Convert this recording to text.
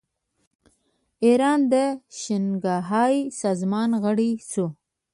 ایران د شانګهای سازمان غړی شو.